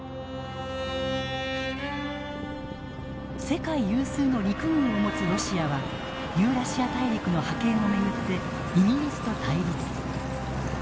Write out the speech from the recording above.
世界有数の陸軍を持つロシアはユーラシア大陸の覇権を巡ってイギリスと対立。